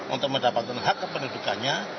untuk mendapatkan hak kependudukannya